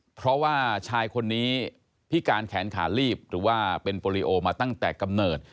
เพราะว่าชายคนนี้พิการแขนขาลีบหรือว่าเป็นโปรลิโอมาตั้งแต่กำเนิด